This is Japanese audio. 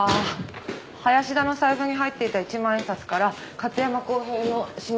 林田の財布に入っていた一万円札から勝山康平の指紋が採取されました。